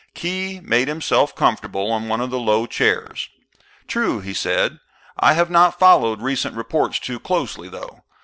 Khee made himself comfortable on one of the low chairs. "True," he said. "I have not followed recent reports too closely, though.